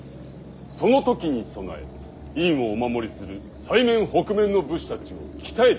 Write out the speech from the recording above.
その時に備え院をお守りする西面北面の武士たちを鍛えておきたいのですが。